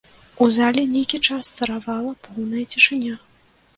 У залі нейкі час царавала поўная цішыня.